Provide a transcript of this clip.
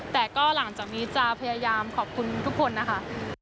แต่ก็หลังจากนี้จะพยายามขอบคุณทุกคนนะคะ